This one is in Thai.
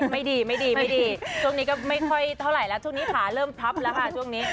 ไม่ดีช่วงนี้ก็ไม่ค่อยเท่าไหร่แล้วช่วงนี้ขาเริ่มพับแล้วค่ะ